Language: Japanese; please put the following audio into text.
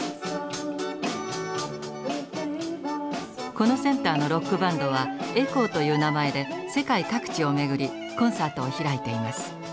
このセンターのロックバンドはエコーという名前で世界各地を巡りコンサートを開いています。